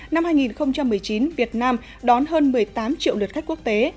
năm hai nghìn một mươi chín việt nam đón hơn một mươi tám triệu lượt khách quốc tế